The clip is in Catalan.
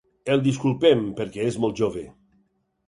El disculpem perquè és molt jove.